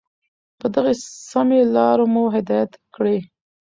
په دغي سمي لار مو هدايت كړې